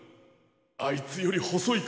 あいつよりほそい